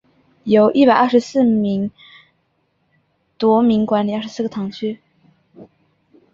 由一百廿四名司铎名管理廿四个堂区。